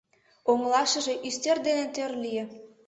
Оҥылашыже ӱстел дене тӧр лие.